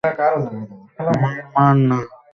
মার, মার না।